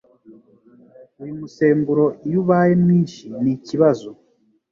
Uyu musemburo iyo ubaye mwinshi nikibazo